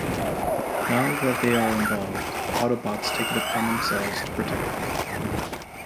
Now that they are involved, the Autobots take it upon themselves to protect them.